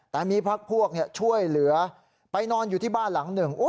แต่มีพักพวกช่วยเหลือไปนอนอยู่ที่บ้านหลังหนึ่ง